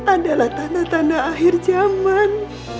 adalah tanda tanda akhir zaman